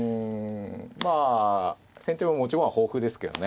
まあ先手も持ち駒豊富ですけどね。